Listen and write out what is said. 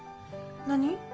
何？